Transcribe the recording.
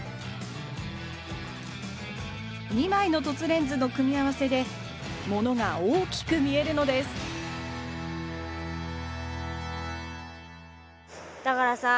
２枚の凸レンズの組み合わせでものが大きく見えるのですだからさ